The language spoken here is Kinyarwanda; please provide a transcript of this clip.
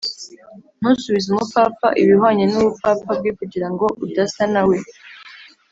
ntusubize umupfapfa ibihwanye n’ubupfapfa bwe, kugira ngo udasa na we